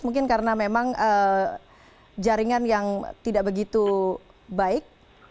mungkin karena memang jaringan yang tidak begitu baik